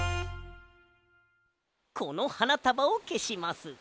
このはなたばをけします。